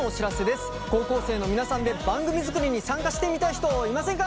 高校生の皆さんで番組作りに参加してみたい人いませんか？